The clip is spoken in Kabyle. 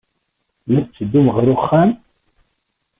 La tetteddum ɣer uxxam?